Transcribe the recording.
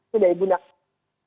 sudah di gunakan